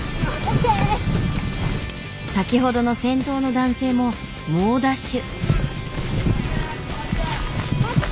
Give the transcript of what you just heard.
先ほどの先頭の男性も猛ダッシュ。